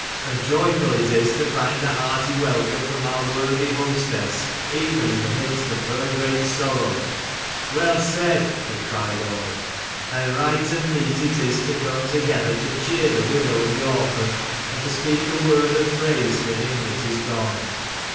' And joyful it is to find a hearty welcome from our worthy hostess, even in the midst of her great sorrow" ("Well said," they cried all.) " And right and meet it is to come together to cheer the widow and the orphan, and to speak a word of praise for him that is gone."